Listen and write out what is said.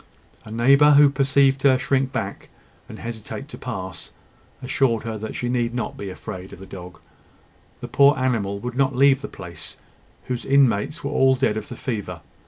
A neighbour who perceived her shrink back, and hesitate to pass, assured her that she need not be afraid of the dog. The poor animal would not leave the place, whose inmates were all dead of the fever.